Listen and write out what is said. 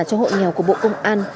cho hộ nghèo của bộ công an